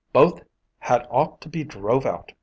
"Both had ought to be drove out!"